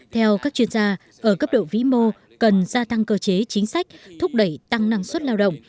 theo các chuyên gia ở cấp độ vĩ mô cần gia tăng cơ chế chính sách thúc đẩy tăng năng suất lao động